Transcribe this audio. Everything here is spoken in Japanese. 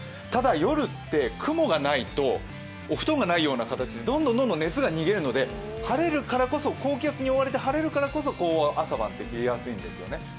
ただ、夜って雲がないとお布団がないような形でどんどん熱が逃げるので、高気圧に覆われて晴れるからこそ、朝晩は冷えやすいんですよね。